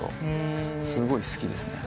すごい好きですね。